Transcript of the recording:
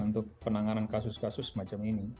untuk penanganan kasus kasus semacam ini